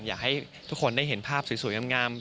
อยากให้ทุกคนได้เห็นภาพสวยงาม